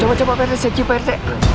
coba pak rt siapin pak rt